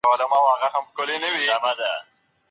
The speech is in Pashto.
منځګړي بايد کوم ډول حللاري وسنجوي؟